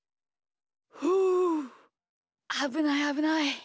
ふうあぶないあぶない。